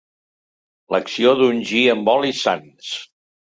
L'acció d'ungir amb olis sants.